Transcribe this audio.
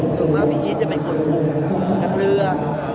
ส่วนมากพี่จะเป็นคนคุกกับเรื่อง